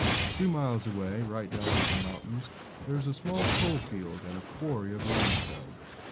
Two miles away, right down off the mountains, there is a small coal field and a quarry of limestone.